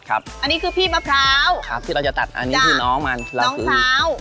อันนี้คือพี่มะพร้าวครับที่เราจะตัดอันนี้คือน้องมันเราคือพร้าว